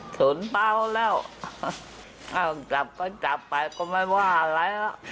สนเบาแล้วอ้าวจับก็จับไปก็ไม่ว่าอะไรแล้ว